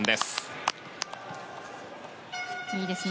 いいですね。